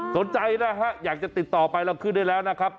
สนใจนะฮะอยากจะติดต่อไปเราขึ้นได้แล้วนะครับ